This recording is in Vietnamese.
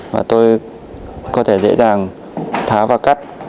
và tôi có thể dễ dàng thá và cắt